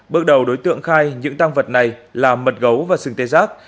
bước đầu đối tượng khai những tăng vật này là mật gấu và sừng tê giác